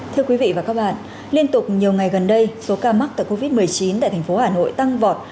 thưa quý vị và các bạn liên tục nhiều ngày gần đây số ca mắc tại covid một mươi chín tại thành phố hà nội tăng vọt